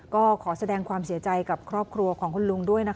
ก็ขอแสดงความเสียใจกับครอบครัวของคุณลุงด้วยนะคะ